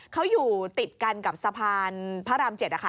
เขาอยู่ติดกันกับสะพานพระราม๗นะคะ